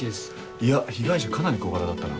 いや被害者かなり小柄だったな。